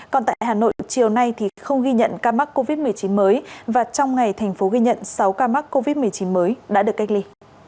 còn tại hà nội chiều nay thì không ghi nhận ca mắc covid một mươi chín mới và trong ngày thành phố ghi nhận sáu ca mắc covid một mươi chín mới đã được cách ly